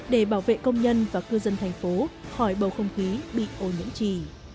để bảo vệ công nhân và cư dân thành phố khỏi bầu không khí bị ô nhiễm trì